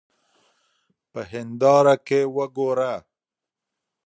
په هېنداره کې وګوره.